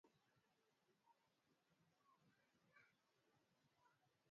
Ugonjwa huu husambazwa kutokana na wanyama kuhama sehemu moja kwenda nyingine